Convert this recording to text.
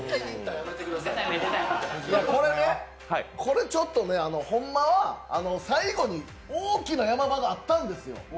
これね、これちょっとねほんまは最後に大きなヤマ場があったんですよ。